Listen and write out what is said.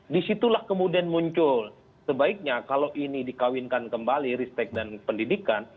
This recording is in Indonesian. disitulah kemudian muncul sebaiknya kalau ini dikawinkan kembali ristek dan pendidikan